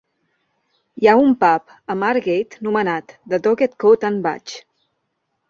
Hi ha un pub a Margate nomenat "The Doggett Coat and Badge".